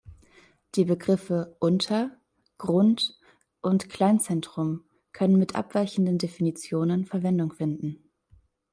Die Begriffe Unter-, Grund- und Kleinzentrum können mit abweichenden Definitionen Verwendung finden.